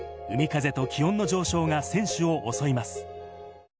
海風と気温の上昇が選手を襲います。